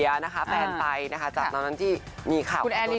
ซีอมาแฟนไปจากนั้นที่มีข่าวของตัวตาย